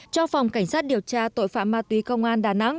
cho phòng cảnh sát điều tra tội phạm ma túy công an đà nẵng